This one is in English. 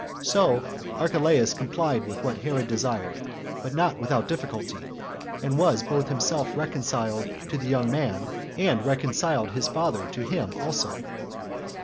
So Arehelaus complied with what Herod desired, but not without difficulty, and was both himself reconciled to the young man, and reconciled his father to him also.